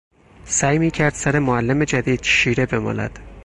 سعی میکرد سر معلم جدید شیره بمالد.